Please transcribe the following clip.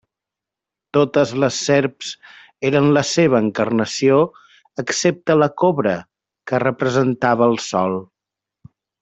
Totes les serps eren la seva encarnació, excepte la cobra, que representava al Sol.